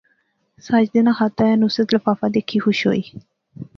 ساجدے ناں خط آیا، نصرت لفافہ دیکھی خوش ہوئی